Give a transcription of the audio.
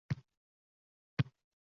Bulutlar ortidan termilib aytdim